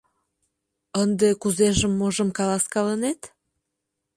Ынде кузежым-можым каласкалынет?